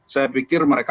saya pikir mereka